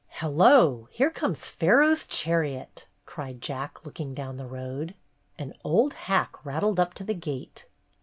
"Hello! Here comes Pharaoh's chariot!" cried Jack, looking down the road. An old hack rattled up to the gate.